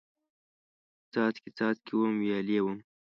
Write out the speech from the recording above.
څاڅکي، څاڅکي وم، ویالې وم